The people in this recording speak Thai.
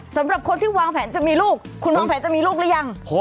สำหรับคนที่วางแผนจะมีลูกคุณวางแผนจะมีลูกหรือยัง